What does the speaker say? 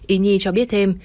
ý nhi cho biết thêm